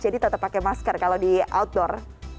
jadi tetap pakai masker kalau di outdoor